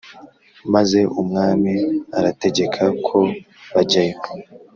Maze umwami arategeka ko bajyayo